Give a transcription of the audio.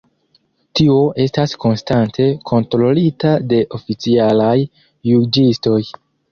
Tio estas konstante kontrolita de oficialaj juĝistoj.